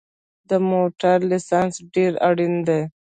د موټر لېسنس ډېر اړین دی